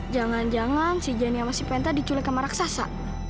jangan jangan si genia mas si penta diculik sama raksasa